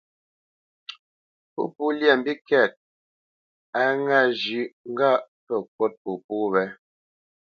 Pópo lyá mbíkɛ̂t, á ŋǎ zhyə́ ŋgâʼ pə́ ŋkût popó wé.